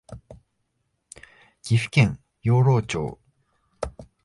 岐阜県養老町